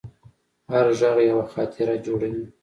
هر غږ یوه خاطره جوړوي.